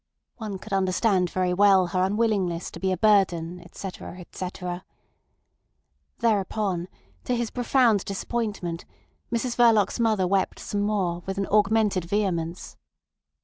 One could understand very well her unwillingness to be a burden, etc. etc. Thereupon, to his profound disappointment, Mrs Verloc's mother wept some more with an augmented vehemence.